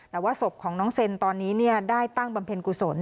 แต่ว่าศพของน้องเซนตอนนี้ได้ตั้งบำเพ็ญกุศล